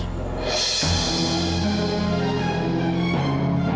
kami bahkan estamos diondok dari situ number one